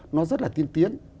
nó rất là tiên tiến